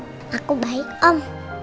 aku baik om